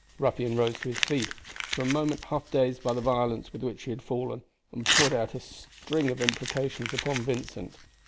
The ruffian rose to his feat, for a moment half dazed by the violence with which he had fallen, and poured out a string of imprecations upon Vincent.